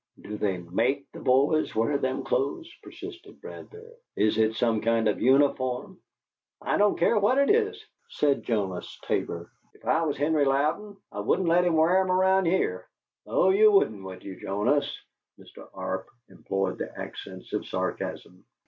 "Do they MAKE the boys wear them clothes?" persisted Bradbury. "Is it some kind of uniform?" "I don't care what it is," said Jonas Tabor. "If I was Henry Louden I wouldn't let him wear 'em around here." "Oh, you wouldn't, wouldn't you, Jonas?" Mr. Arp employed the accents of sarcasm.